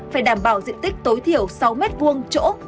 phải đảm bảo diện tích tối thiểu sáu m hai chỗ